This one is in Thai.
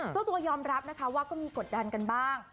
เจ้าตัวยอมรับนะคะว่าก็มีกดดันกันบ้าง